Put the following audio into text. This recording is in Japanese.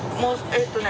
えっとね